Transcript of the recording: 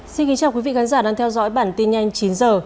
xin kính chào quý vị khán giả đang theo dõi bản tin nhanh chín h